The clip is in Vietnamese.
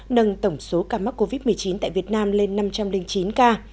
nâng tổng số ca mắc covid một mươi chín tại việt nam lên năm trăm linh chín ca